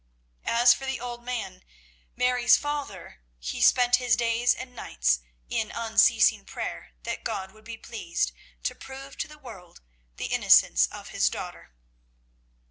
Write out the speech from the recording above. As for the old man, Mary's father, he spent his days and nights in unceasing prayer that God would be pleased to prove to the world the innocence of his daughter.